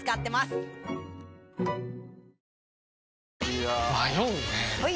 いや迷うねはい！